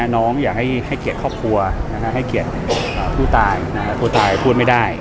น้องอยากให้เกียรติครอบครัวให้เกียรติผู้ตายผู้ตายพูดไม่ได้